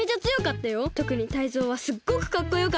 とくにタイゾウはすっごくかっこよかった。